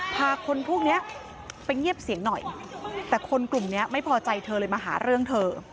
พาคนพวกนี้ไปเงียบเสียงหน่อยแต่คนกลุ่มนี้ไม่พอใจเธอเลยมาหาเรื่องเธอ